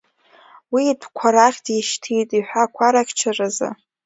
Уи идәқәа рахь дишьҭит иҳәақәа рыхьчаразы.